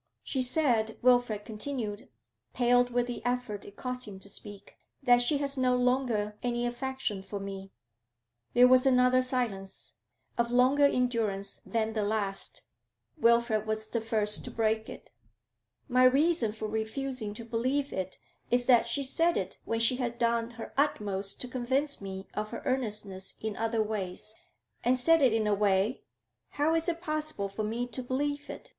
'She said,' Wilfrid continued, pale with the effort it cost him to speak, 'that she has no longer any affection for me.' There was another silence, of longer endurance than the last. Wilfrid was the first to break it. 'My reason for refusing to believe it is, that she said it when she had done her utmost to convince me of her earnestness in other ways, and said it in a way How is it possible for me to believe it?